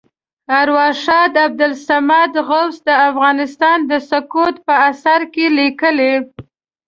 ارواښاد عبدالصمد غوث د افغانستان د سقوط په اثر کې لیکلي.